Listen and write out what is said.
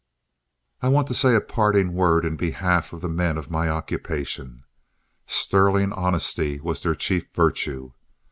I want to say a parting word in behalf of the men of my occupation. Sterling honesty was their chief virtue.